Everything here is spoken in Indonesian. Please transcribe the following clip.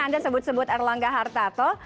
anda sebut sebut air laga hartato